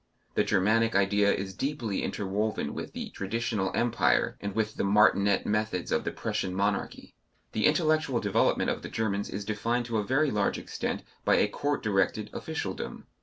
The Germanic idea is deeply interwoven with the traditional Empire and with the martinet methods of the Prussian monarchy. The intellectual development of the Germans is defined to a very large extent by a court directed officialdom.